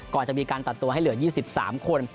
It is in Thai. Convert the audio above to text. ก่อนจะมีการตัดตัวให้เหลือ๒๓คน